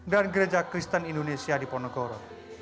dan gereja kristen indonesia di ponegoro